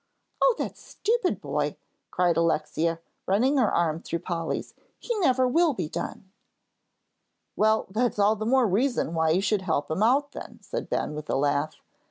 "Oh, that stupid boy," cried Alexia, running her arm through Polly's, "he never will be done." "Well, that's all the more reason why you should help him out then," said Ben, with a laugh.